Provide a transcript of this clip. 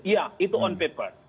iya itu on paper